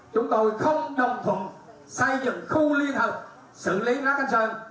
chúng tôi không đồng thuận xây dựng khu liên hợp xử lý rác khánh sơn